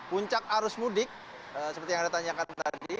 puncak arus mudik seperti yang ditanyakan tadi